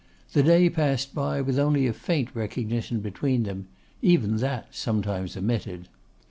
The day passed by with only a faint recognition between them; even that sometimes omitted.